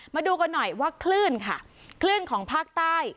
มาดูกันหน่อยว่าคลื่นค่ะคลื่นของภาคใต้